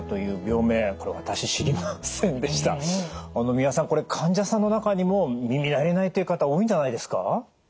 三輪さんこれ患者さんの中にも耳慣れないという方多いんじゃないですか？